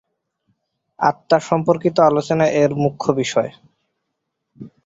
আত্মা সম্পর্কিত আলোচনা এর মুখ্য বিষয়।